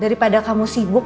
daripada kamu sibuk